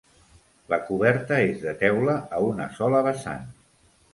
La coberta és de teula a una sola vessant.